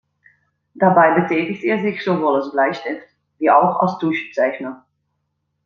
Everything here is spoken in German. Dabei betätigt er sich sowohl als Bleistift- wie auch als Tuschezeichner.